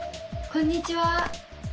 こんにちは。